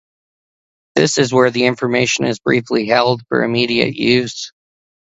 This is where information is briefly held for immediate use.